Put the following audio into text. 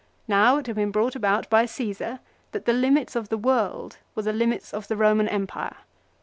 Now it had been brought about by Caesar that the limits of the world were the limits of the Roman empire.